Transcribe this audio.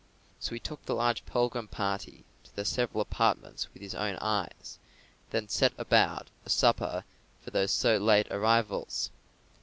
So he took the large pilgrim party to their several apartments with his own eyes, and then set about a supper for those so late arrivals.